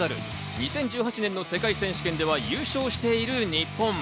２０１８年の世界選手権では優勝している日本。